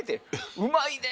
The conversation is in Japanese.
うまいで。